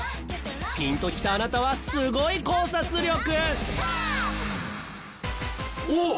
ピンときたあなたはすごい考察力！